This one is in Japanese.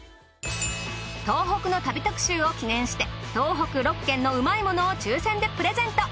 東北の旅特集を記念して東北６県のうまいものを抽選でプレゼント！